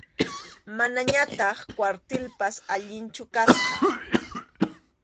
Manañataq kwartilpas alinchu kasqa.